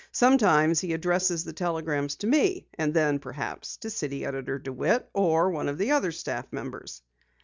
Sometimes he addresses the telegrams to me, and then perhaps to City Editor DeWitt or one of the other staff members."